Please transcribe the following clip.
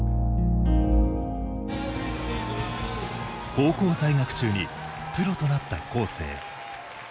高校在学中にプロとなった恒成。